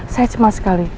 saya cemas sekali